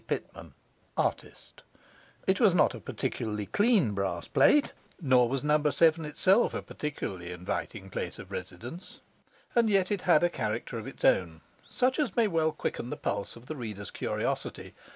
Pitman, Artist'. It was not a particularly clean brass plate, nor was No. 7 itself a particularly inviting place of residence. And yet it had a character of its own, such as may well quicken the pulse of the reader's curiosity.